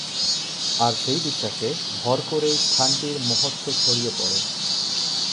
আর সেই বিশ্বাসে ভর করেই স্থানটির মাহাত্ম্য ছড়িয়ে পড়ে।